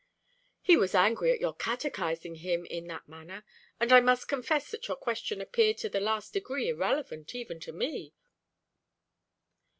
"He was angry at your catechising him in that manner; and I must confess that your question appeared to the last degree irrelevant, even to me."